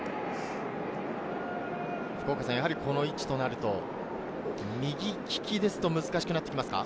この位置となると、右利きですと難しくなってきますか？